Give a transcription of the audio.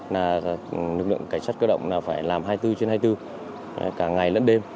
nước lượng cảnh sát cơ động phải làm hai mươi bốn trên hai mươi bốn cả ngày lẫn đêm